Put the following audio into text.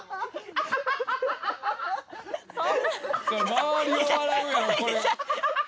周りは笑うやろこれは。